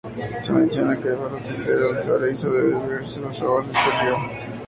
Se menciona que para ascender al paraíso debe beberse las aguas de este río.